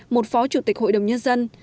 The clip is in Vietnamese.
một phó chủ tịch hội đồng nhân dân